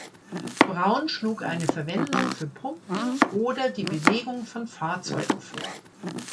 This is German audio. Brown schlug eine Verwendung für Pumpen oder die Bewegung von Fahrzeugen vor.